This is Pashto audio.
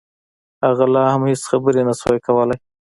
هغه لا هم هېڅ خبرې نشوای کولای